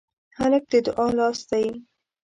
هلک د دعا لاس دی.